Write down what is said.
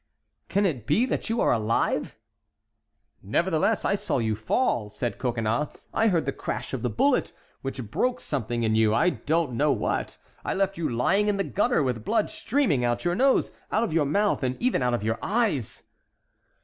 can it be that you are alive?" asked the landlord. "Nevertheless, I saw you fall," said Coconnas, "I heard the crash of the bullet, which broke something in you, I don't know what. I left you lying in the gutter, with blood streaming out of your nose, out of your mouth, and even out of your eyes."